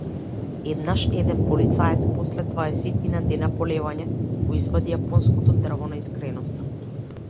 Еднаш еден полицаец, после дваесетина дена полевање, го извади јапонското дрво на искреноста.